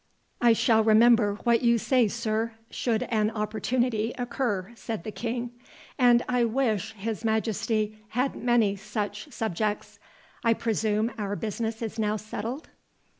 "I shall remember what you say, sir, should an opportunity occur," said the King; "and I wish his Majesty had many such subjects—I presume our business is now settled?"